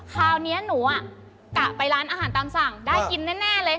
คราวนี้หนูกะไปร้านอาหารตามสั่งได้กินแน่เลย